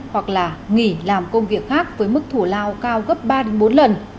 hoặc là nghỉ làm công việc khác với mức thủ lao cao gấp ba bốn lần